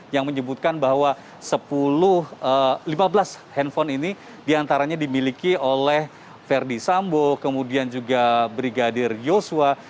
yang menyebutkan bahwa lima belas handphone ini diantaranya dimiliki oleh verdi sambo kemudian juga brigadir yosua